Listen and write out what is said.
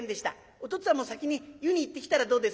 お父っつぁんも先に湯に行ってきたらどうです？」。